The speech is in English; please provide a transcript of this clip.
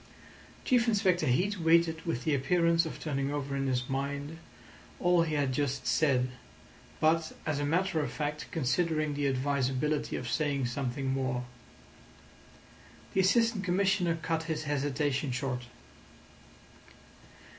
Chief Inspector Heat waited with the appearance of turning over in his mind all he had just said, but, as a matter of fact, considering the advisability of saying something more. The Assistant Commissioner cut his hesitation short.